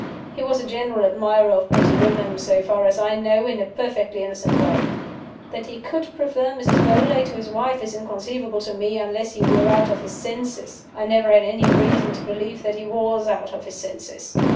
He was a general admirer of pretty women so far as I know, in a perfectly innocent way. That he could prefer Mrs. Beauly to his wife is inconceivable to me, unless he were out of his senses. I never had any reason to believe that he was out of his senses.